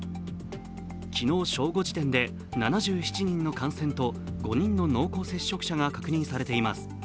昨日正午時点で７７人の感染と５人の濃厚接触者が確認されています。